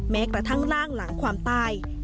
แม้กระทั่งร่างหลังความตาย